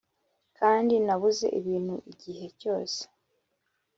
kandi nabuze ibintu igihe cyose.